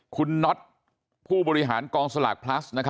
คุณน็อตผู้บริหารกองสลากพลัส